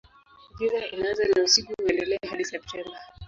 Giza inaanza na usiku huendelea hadi Septemba.